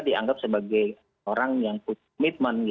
dianggap sebagai orang yang komitmen